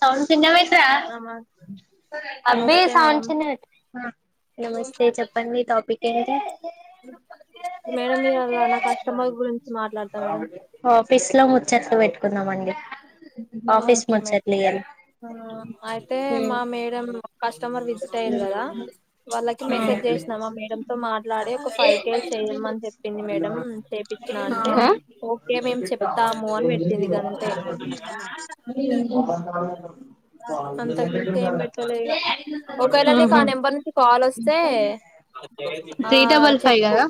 Sound చిన్నగ్ బెట్రా ఆమా అబ్బి నమస్తే మేడం సౌండ్ చిన్నగ బెట్టు ఆ. నమస్తే చెప్పండి టాపి పిక్ ఏంటి? మేడం మీ ఇయాల నా కస్టమర్ గురించి మాట్లాడతా మేడం. చెట్లు పెట్టుకున్నామండి. ఆఫీస్ కెమే ముచ్చట్లు ఇయ్యాల ఆ అయితే మా మేడం కస్టమర్ విజిట్ అయ్యారు కదా! వాళ్ళకి మెసేజ్ చేసినామా! మేడం తో మాట్లాడి ఒక ఫైవ్ కేే చెయమని చెప్పింది మేడం చేపిచ్చిన అంటే, ఆహా ఓకె మేము చెప్తాము అని పెట్టింది ఇగంతే. ఇ అంతకు మించి ఏం ఎంతాల పెట్టలే ఇగ ఒకవేళ నీకు ఆ నెంబర్ నుంచి కాలొస్తే, ఆ త్రీ డబల్ ఫైవ్ చెప్పు కదా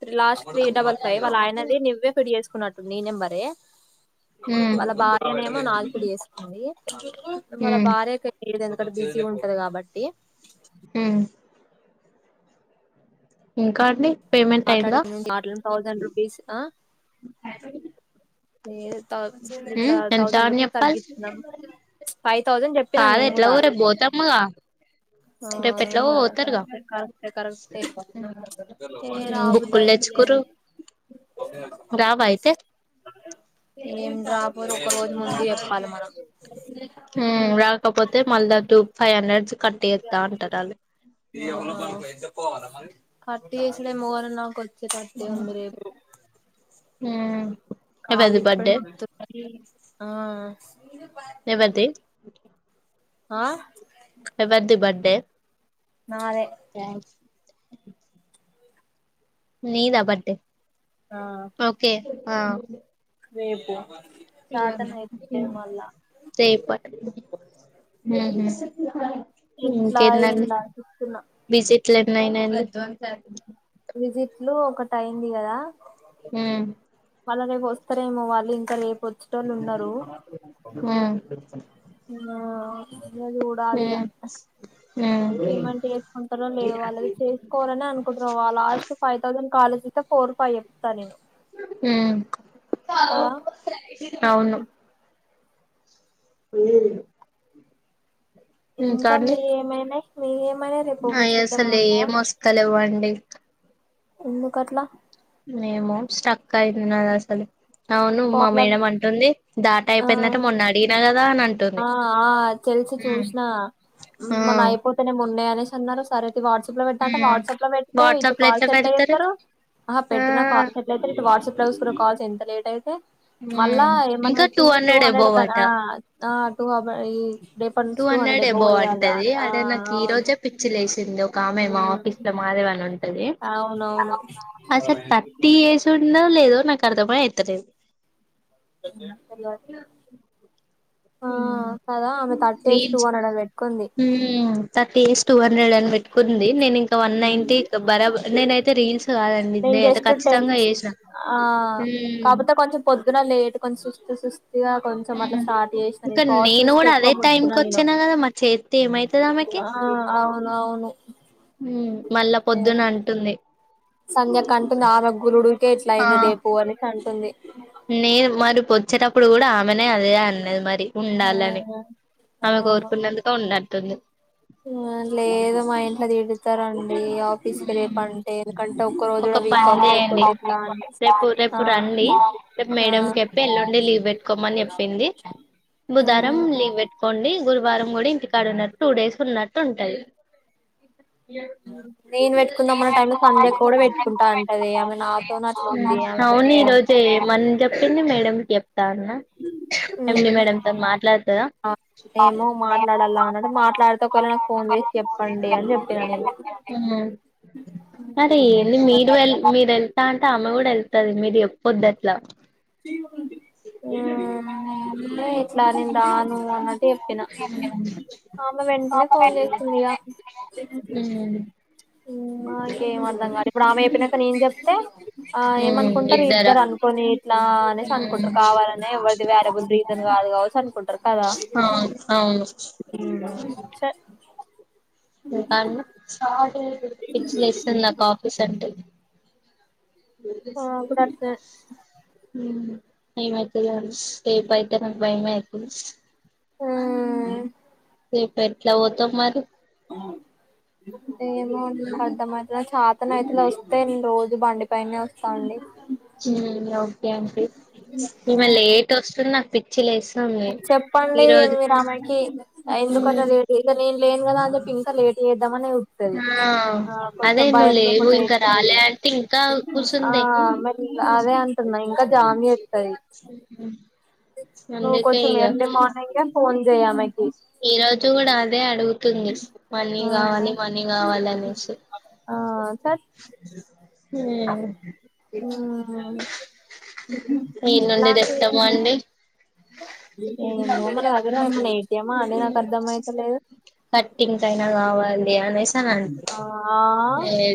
three last three double five వాళ్ళాయనది. నువ్వే ఫిడ్ చే తీసుకున్నట్టు నీ నేంబరే. ఉమ్ వాళ్ళ భార్యనేమో నాకిడ్ చేస్తుంది. వాళ్ల ఉమ్ భార్య కై ఈడ దన్కడ బిజీగుంటది కాబట్టి మ్మ్ ఇంకా అండి పేమెంట్ మాట్లాడ అయిందా మాట్ తౌసండ్ రూపీస్ అ ఏ ఇట్లా ఉమ్ ఎంత ౌసండ్ అని రూపీస్ చెప్పాలి తగ్గిస్తున్నాం ఫైవ్ థౌసండ్ చె కాదు ఎట్లా ఊరే పోతామ్మగా ఆ అవును కద కర్రెక్ట్ ఎ కర్రెక్ట్ ఎ కర్రెక్ట్ ఎ. ఎ బుక్కులు రాబధయితులే తెచ్చుకుర్రు రావా అయితే ఏం రా్రాబలు ఒక రోజు ముందు చెప్పాలి మనం రాకపోతే మళ్ళా టూ ఫైవ్ హండ్రెడ్స్ కట్టి ఎవుతే పో మ [unintelligible] యిస మోర నా చ్చ పతి ఒందరపు [inaudible] ఉ కాాల ఇప్పుడు మత్త ఆ ఎవతే ఓకే ఆ ఎవర్ ది బర్డే నాదే ్యాంక్స్ నీదా బర్తడే ఓకే ఆ రెపు సె ప ఎట్లా ఇకేం ఏంలా చూస్తున్నా బిజి ఇ [unintelligible] విజిట్లు ఒకటి అైంది కదా హం మళ్ళ రేపు వారేోళ్ళు ఇంకా రేప్ వచ్చట వాళ్ళు ఉన్నారు ఉమ్ ఇక చూడాలి ఉమ్ ఇంక ఉమ్ పేమెంట్ చేసుకుంటారో లేదు వాళ్ళది చేసుకోవాలని అనుకుంటుారు వా లాస్ట్ ఫైవ్ థౌసండ్ కాల ఇంకా ఫోర్ ఫైవ్ చెప్తా నేను హ కదా అవును ఏరి ఇంకా మీ ఏమైనా మీ ఏమైనా రేపు విజిట్లు ఏమైనా అసలే ఏ ఉన్నాయా మస్తాలేవండి [inaudible] ఎందుకట్లా మేమో స్టక్ అయిన్నది అసలు అవును మా పోలం మేడమ్ అంటుంది దాట ఆ అయిపోయిందంట మొన్న అడిగిన కదా అనింట ఆ ఆ తెలిసి చూసిన ఆ మనం అయిపోతేనే మొన్నయ అనేసి అన్న సారే వాట్సాప్ లో పెడాంటే ఉమ్ వాట్సాప్ లో పెతే ఇటు వాట్సాప్ లో కాల్ ఎట్లా ఎట్టా పెడతారు చేస్తారు అహ ఆ పెట్న కాల్ెట్ల్ చేస్తారు ఇటు వాట్సాప్ లో చ కాల్స్ ఎంత లేట్ అయితే మళ్ళా ఉమ్ ఏమన్నా ఇంకా పెట్టింది టూ హండ్రెడ్ ఎబోవ్ క అట ఆటు టూ హండ్రెడ్ ఎబోవ్ చేయాలిరా అంటది అని ఆ అదే నాకు ఈ అవును రోజే పిచ్చి లేసింది ఒక ఆమె మా ఆఫీస్ ఉమ్, లో మారేవాని ఉంటది అవునవును అసలు థర్టీ ఏజ్ ఉందో లేదు నాక అర్ధం ఏ అయితలేదు అ ఆ కదా అమె తట్టి ూన్డంట్ హ్మ్మ్ థర్టీ ఇస్ తో వర్ నళ్ని పెట్టుకుని నేనైతే రీల్స్ కాదండి నేను నేనైతే జస్ట్ టెన్ ఖచ్చితంగా చేసిన ఆ హ్మ్ కాకపోతే కొంచెం పొద్దున లేట్ కొంచెం చూస్త చూస్త ఇంకా నేను పాజిటివ్స్కి కూడా ఎక్కువ అదే ముట్టుకున్నా టైంకి నేను వచ్చానా కదా మా చేతి ఏమై ఆ అవునువును మళ్ళా పొద్దున అంటుంది సంధ్య కంటూ నాలుగగులుడుకే ఇట్ల అయింది దేపు అని డి న మ మరి వొచ్చేటప్పుడు కూడా ఆమెనే అదే అన్నది మరి ఉండాలని ఆమె కోరుకున్నందుకు ఉండను తది లేదో మా ఇంట్లో తిడుతారుండి మ్మ్ ఒక్క రోజు ఒక కూడా వీక్ పని ఆఫ్ చేయండి లేకుంటే ఎట్లా అని రేపు ఆ రేపు రండి రేపు ఆ మేడం కి చెప్పి ఎల్లుండి లీవ్ పెట్టుకోమని చెప్పింది బుధారం ఆ లీవ్ పెట్టుకోండి గురువారం కూడా ఇంటికాడున్నట్టు టూ డేస్ ఉన్నట్టు ఉంటది లే నేను పెట్టుకుందాంమన్న టైంలో లో సంధ్యక్క కూడా పెట్టుకుంటా అంటది ఆమె నాతోనే అట్లుంది ఆమె మే మేడం చెప్ మ్మ్ మాట్లాడుతదా ఆ ఏమో మాట్లాడల్ల అన్నడ మాట్లాడితే ఒకవేళ నాకు ఫోన్ చేసి చెప్పండి అని చెప్పిన నేను మ్మ్ అదేంది ఏమైతదో మరి మీరు వెల్ మీరు ఎళ్తా అంటే ఆమె కూడెళ్తది మీరు చెప్ పొద్ద్దట్లా మ్మ్ ఇట్ల అనిందా నువ్వు అన్నట్టు చెప్పిన ఆమె వెంటనే ఫోన్ చేసిందిగ మ్మ్ నాకేమర్థం కాలె ఇప్పుడు ఆమె చెప్పినంక నేను చెప్తే ఆ ఏమనుకుంటారు ఇద్దరా ఇద్దరు అనుకని ఇలా అనేసి అనుకుంటారు కావాలనే ఎవరిది వేరే బద్ రీజన్ కాదు కావచ్చు అనుకుంటారు కదా అవును అవును చ ఇంకన్ పిచ్చి లేస్తుంది నాకు ఆఫీస్ అంటే ఆ ఇప్పుడు అట్లా హ్మ్మ్ భయమేతది నాకు రేపయితే నాకు భయమే అయితది మ్మ్ రేపు ఎట్లా పోతవ్ మరి ఏమో అన్ అర్థమైత చేతనైతే వస్తే రోజు బండి పైనే వస్తా అండి ఏంటి ఈమె లేటొస్ తున్నాకు పిచ్చి లేసి చెప్పండి మీ రా ఆమె కి ఎందుకంటే ఉమ్ లేట్ ఇక నేను లేను కదా అని చెప్పి ఇంకా లేట్ పెడు తమనే చూత్తది ఆ ఆ కొత్త అదే నువ్వు భయం లేవు లేకుండా ఇంకా చేత్తది ఇగ రాలే అంటే ఇంకా ఆ కూసుందే మెట్ రన్ తున్నాయి ఇంకా జామ్ చేస్తాయి నువ్ అందుకే కొంచెం ఇగ ఎర్లీ మార్నింగె ఫోన్ చెయ్ ఆమెకి ఈ రోజు కూడా అదే అడుగు ఫోన్ చేసి మనీ ఆ కావాలి మనీ కావాలి అనేసి ఆ సార్ [inaudible] ఏడ నుండి తెస్తాము అండి ఉ మన దగ్గర ఏండి ఏటీఎం మ అడి నాకు అర్ధం అయితలేదు వండి అమే ఆ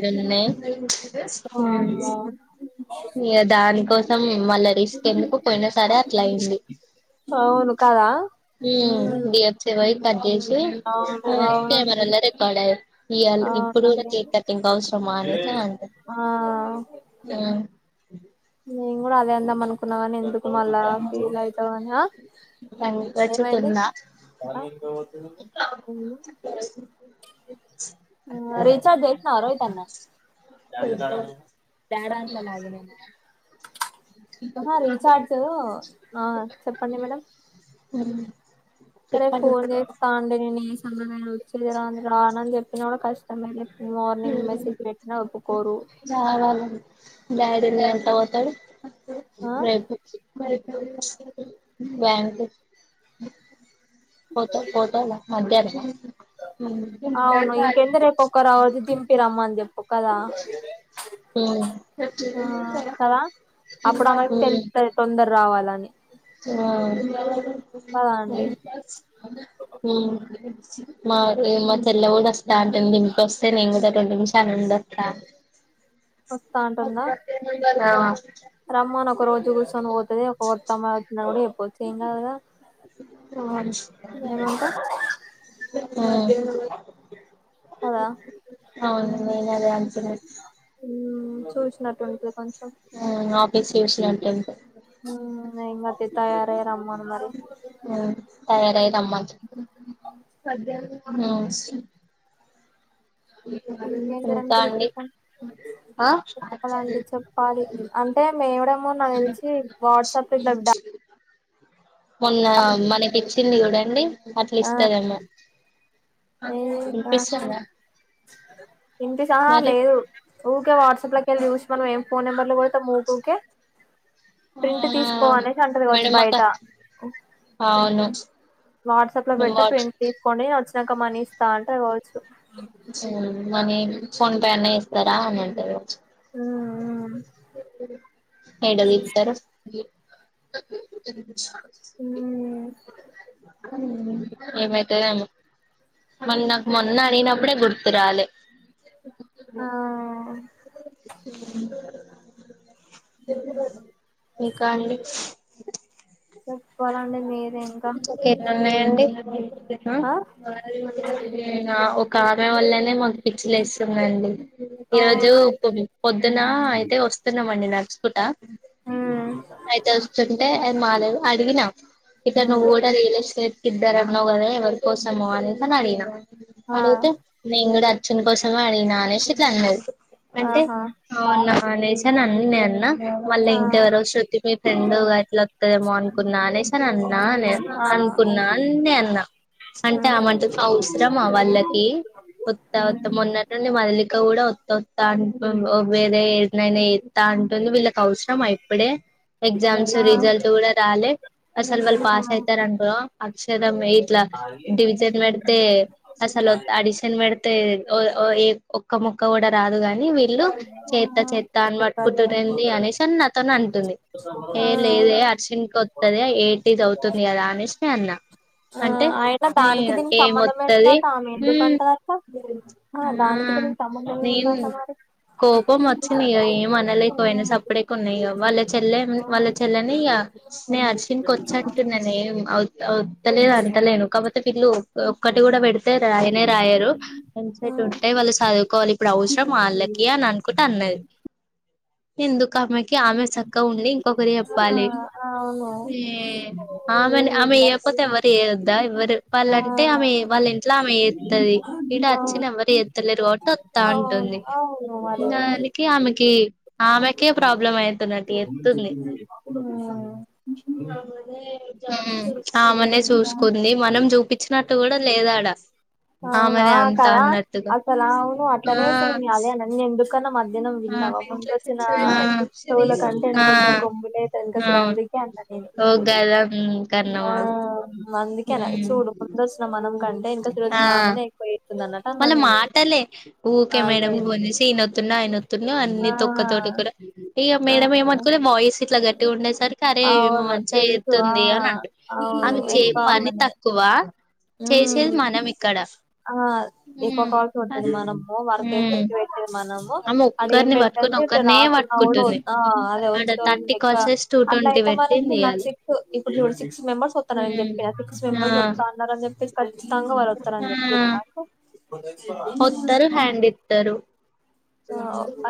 ఎందిమే వామ్మో [unintelligible] ఇగ దానికోసం [unintelligible] మళ్ళ రిస్క్ ఎందుకు పోయినా సారే అట్లా అయింది అవును కదా ఉ ఉమ్ దివెచ్చ బై పెద్ద్ ఏసి అవును [unintelligible] అవునండి కెమెరాలో రికార్డ్ ఇయళ ఇప్పుడు కూడా అవునండి కేక్ కట్టింగ్ అవసరమా అనేది అనేది అన్నది ఆ ఉ [inaudible] నేను కూడా అదే అందాం అనుకు అనుకున్నాని ఎందుకు మళ్ళా ఫీల్ అవుతాని అ ఏమైంది పనికొచ్చుతుందా ఉ అ రిచార్జ్ ఎత్తవ్ అర్గుతున్నా త్యాడానికి నన్ను అడుగుతున్నావా ఆహ రీచార్జ్ ఆ చెప్పండి మేడం అరే చెప్పండి పోల్గే తాండ నుని ఉండనీయు చేయరాదురా రానని చెప్పినోడు కష్టంమే లే మార్నింగ్ మెసేజ్ పెట్టినా ఒకోక్కరు బ్యాడిల్ ఎంతా పోస్తాడు ఆ మ మరి బ్యాంక్ పోత డ్ పోతడ్ లే మధ్యానం అవును ఇంకెందు రేపు ఒక్క రావద్దు దింపి రమ్మ అని చెప్పు కద ఉమ్ కదా ఉమ్ అప్పుడు ఆమెకి తెలుస్తది తొందరగా రావాలని నే ఆ అండి ఉ మా ఏ మధ్యలో తెల్ల కూడా వస్తా ఉంటే దంట్ తస్తే నేందే మష ఆనంద వస్తా వస్తా అంటుందా రమ్మను ఒక రోజు కూర్చొని పోతది ఒక కొత్త అమ్మాయి వచ్చినప్పుడు ఇ చ్చ ఏం కాదు కదా ఏమంటావ్ అవును అ కదా అవును నేనదే అనుకున్న ఆమ్ చూసినట్టుంటది కొంచెం ఆమ్ [unintelligible] ఎంకాదు తియ్ తయారయి రమ్మను మరి ఉమ్ తయారై అ సరే ఇంకేం ఇంకా అండి ఆ [unintelligible] చెప్పాలి అంటే మేడుము నాకు తెలిసి వాట్సాప్ ఇట్లా మొన్న మనకి ఇచ్చింది చూడ లే అట్ల ఆ ఇస్తదేమో వినిపిస్తుందా ఇంటి సహా మరి లేదు ఊకే వాట్సాప్ల కేలి చూసి మనం ఏం ఫోన్ నెంబర్ లు కొడతాం ఊకూకే ఆ ప్రింట్ తీసుకో అనేసి అంటది కావచ్చు మేడమక్క బయట అవును వాట్సాప్ లో పెడితే వాట్ ప్రింట్ తీసుకొని వచ్చిన క్క మనిస్తా అంటే మనీ ఫోన్ పే అన్న చేస్తరా అని అంటరు కావచ్చు ఉమ్ ఏడ తీస్తారు సు ఉమ్ ఏమైతదేమో మరి నాకు మొన్న అడిగినప్పుడే గుర్తురాలే ఆ ఇంకా అండి చెప్పాలండి మీరు ఎన్ని ఉన్నయండి [unintelligible] ఆ ఆహ్ ఆ ఓ కావ్యా వల్లనే మ పిచ్చిలేస్తుందండి ఈరోజు అవునా పొద్దున అయితే వస్తున్నామండి ననర్ కుట ఉమ్ అయితే వస్తుంటే మాలలు అడిగినా ఇతను ఉమ్ ఓడ రియల్ ఎస్టేట్ ఇద్దరు అన్నావుకదా ఎవరి కోసము అనేసి అడిగిన ఆ అడిగితే మెము కూడా చిన్న కోసమె అడిగిన అనేసి ఇట్లా అన్నాది. అంటే ఆహా అవునానేసి నేనన్ని నిన్న ఆ మళ్ళీ ఇంకెవరో శృతి మీ ఫ్రెండ్ ఎట్లా వత్తదేమో అనుకున్నా అనేసి అన్న అనే ఆ అనుకున్నా అవును అన్నె అన్నా అంటే ఉమ్ ఆమెంటది అవసరం వాళ్ళకి ఉమ్ వత్తత్తం మొన్నట్టుండి మదిలిక కూడా తొత్తా అంటుర్రు వేర ఎనైనా ఎత్తా అంట టుంది వీళ్ళకి అవసరమా ఇప్పుడే ఎగ్జామ్స్ ఆ ఆ రిజల్ట్ కూడా రాలే వాళ్ళు ఆ పాస్ అయితార అంటావ అ షబ్ మె ఇట్లా డివిజన్ పెడితే అసలు అడిషన్ పెడితె తె ఓ ఓయ్ ఏ ఒక్క ముక్క కూడా రాదుగాని ఈ వీళ్ళు చేత్త చేత్త అని మట్టుకుంటునేంది అనేసిని నాతోనే అంటుంది. ఏ లేదే అర్చన్కి వత్తదే ఏ అవుతుంది కదా అనేసి నేఅన్నా ఆ అంటే అయినా నే దానికి దీనికి సంబంధం ఏమొత్తది ఏంటంట ఆమె ఉ ఎందుకంటదట ఆ దానికి దీనికి సంబంధం నేను ఏముందంట మరి కోపం వచ్చినయి ఏం ఆ అనలేకపోయినా సప్పుడేకు ఉన్నాయి ఇ వాళ్ళ చెల్లె వాళ్ళ చెల్లెనే ఇక నే అర్చిన కో చంటి నినయం అవుత్ అవుత్ తలేదు అంతలేను కాకపోతే పిల్లు ఒక్కటి కూడా పెడు అయితే రాయనే రాయారు ఆ ఎంసెట్ ఉంటే వాళ్ళు చదువుకోవాలి ఇప్పుడు అవసరం వాళ్ళకి అని అనుకుంటే అన్నది. ఎందుకమెకి ఆమె సక్క ఉంది. ఒకరి చెప్పాలి ఆ అవును ఏ ఆమెని ఆమె ఏముంది అసలు. ఏయకపోతే ఎవరు వద్దా ఎవరు ఆ వాళ్ళంటే ఆమె అవును వాళ్ళ ఇంట్లో ఆమెత్తది ఈడ వచ్చని ఎవ్వరు ఏత్తలేరు కాబట్టి వత్తా అవును ఉంటుంది అవును మరి ద దానికి ఆమెకి కి ఆమెకే ప్రాబ్లం అయితున్నట్ ఎత్తుంది ఉమ్ ఆమెనే ఊ ఆమెనే చూసుకుంది మనం చూపించినట్టు కూడా లేదాడా అవునా కదా అసలు అవును ఆ అట్లనే స న అదే అన్నది నెందుకు కనమన్ దినం ఆ విన్నావా ముందు వచ్చిన చెల కంటే ఆ ఇనకొచ్చిన కొమ్బులేక ఆ అందుకే అన్నా నేను ఓ గదం ఆ కన్నమా అందుకే అ చూడు ముందు వచ్చిన మనం కంటే ఎంక నామలే ఎకొ మళ్ళ మాటలే ఓకే మేడం ఆల్రెడీ పోనేసి ఈయనొతున్నా ఆయన న్నావు అన్ని ఆ తొక్క తోట కూర ఇక ఆ మేడ ఏమనుకోలే వాయిస్ ఇట్లా గట్టిగా ఉండేసరికి అరే ఏమి అవును మంచిగా తెలుసు ఆ చేతుంది అని అంటారు అవును అవి చే ఎక్కువ పని ఆమెనే తక్కువ చేసేది ఉమ్ మనం ఇక్కడ ఆ ఎక్కువ ఉమ్ కావాల్సి ఉంటుంది మనము వర్క్ ఎక్కు చేతే మా అమ్మె ఒక్కరిని పట్టుకుని ఒక్కరినే రాకున్నా కూడా పట్టుకుంటుంది ఆ అదే ఆడ వచ్చేటోళ్ళు థర్టీ ఎక్కువ కాల్స్ చేసి టూ అట్లా ట్వంటీ అయితే పెట్టింది మనకి నాకు ఇయ్యాల సిక్స్ ఇప్పుడు ఇడు సిక్స్ మెంబెర్స్ వస్తస్తున్నాని ఉమ్ చెప్పి నా సిక్స్ ఆ మెంబెర్స్ వస్తా అన్న అని చెప్పి ఖచ్చితంగా వాళ్ వతరని చెప్పర నాకు ఒత్తరు హ్యాండ్ ఇత్తరు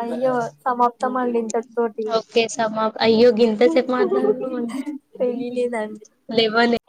అయ్యో సమాప్తం అండి ఇంతటితో ఓకే స మా అయ్యో గింత సేపు మాట్లాడం ఆ మనం తెలియలేదండి లేవనే